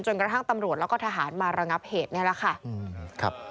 กระทั่งตำรวจแล้วก็ทหารมาระงับเหตุนี่แหละค่ะ